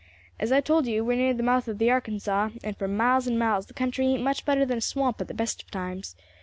As I told you, we are near the mouth of the Arkansas, and for miles and miles the country ain't much better than a swamp at the best of times.